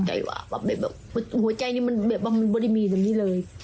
ตกใจว่าแบบหัวใจนี้มันแบบไม่มีแบบนี้เลย